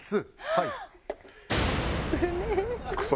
はい。